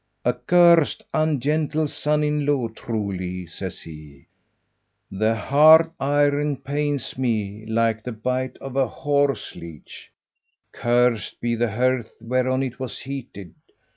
"A cursed ungentle son in law, truly," says he, "the hard iron pains me like the bite of a horse leech. Cursed be the hearth whereon it was heated!